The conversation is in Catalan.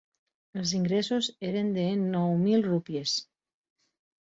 Els ingressos eren de nou mil rúpies.